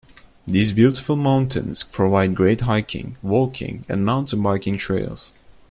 These beautiful mountains provide great hiking, walking, and mountain biking trails.